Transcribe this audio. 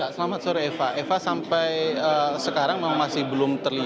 selamat sore eva eva sampai sekarang masih belum terlibat